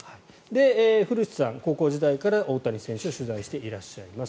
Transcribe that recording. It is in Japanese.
古内さん、高校時代から大谷選手を取材していらっしゃいます。